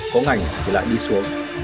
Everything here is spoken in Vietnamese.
có ngành thì lại đi xuống